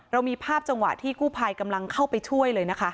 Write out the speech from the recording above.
เรามีภาพจังหวะที่กู้ภัยกำลังเข้าไปช่วยเลยนะคะ